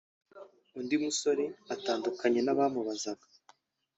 undi musore utandukanye n’abamubazaga